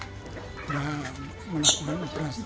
mereka melakukan operasi